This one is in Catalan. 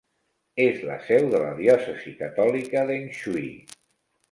És la seu de la diòcesi catòlica d'Hengshui.